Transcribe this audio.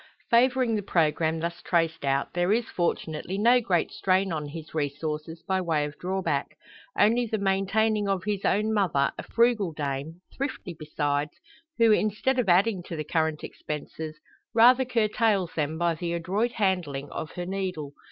Favouring the programme thus traced out, there is, fortunately, no great strain on his resources by way of drawback; only the maintaining of his own mother, a frugal dame thrifty besides who, instead of adding to the current expenses, rather curtails them by the adroit handling of her needle.